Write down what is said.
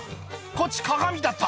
こっち鏡だった」